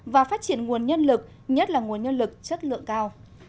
và phát triển nguồn nhân lực nhất là nguồn nhân lực chất lượng cao